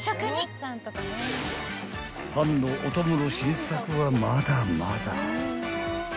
［パンのお供の新作はまだまだ］